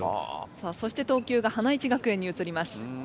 さあそして投球が花一学園にうつります。